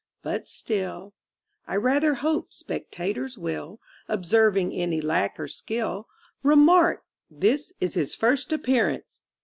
... But still, I rather hope spectators will, Observing any lack or skill, Remark, "This is his first appearance."